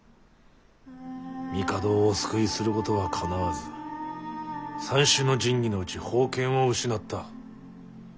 帝をお救いすることはかなわず三種の神器のうち宝剣を失った。